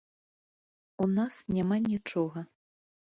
У нас няма нічога.